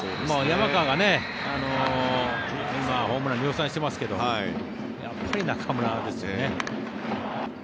山川が今、ホームランを量産してますけどやっぱり中村ですよね。